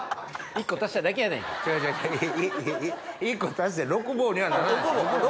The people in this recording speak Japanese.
１個足してロクボウにはならないですよ。